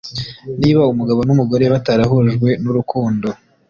niba umugabo numugore batarahujwe nurukundo